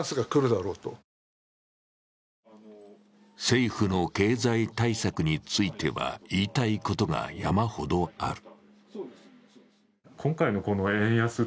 政府の経済対策については、言いたいことが山ほどある。